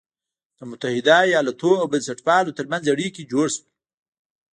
د متحدو ایالتونو او بنسټپالو تر منځ اړیکي جوړ شول.